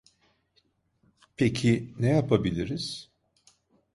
Peki ne yapabiliriz?